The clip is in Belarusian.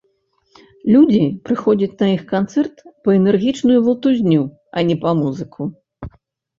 Людзі прыходзяць на іх канцэрт па энергічную валтузню, а не па музыку.